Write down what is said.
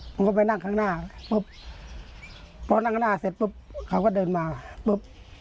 ผมก็ไปนั่งข้างหน้าปุ๊บพอนั่งข้างหน้าเสร็จปุ๊บเขาก็เดินมาปุ๊บ